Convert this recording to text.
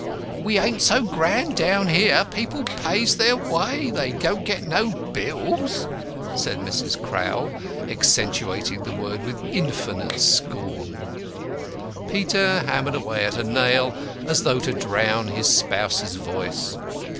"We ain't so grand down here. People pays their way they don't get no bills" said Mrs. Crowl, accentuating the word with infinite scorn. Peter hammered away at a nail, as though to drown his spouse's voice.